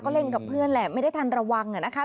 เล่นกับเพื่อนแหละไม่ได้ทันระวังนะคะ